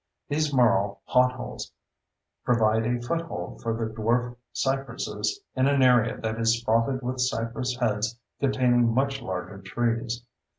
These marl potholes provide a foothold for the dwarf cypresses in an area that is spotted with cypress heads containing much larger trees.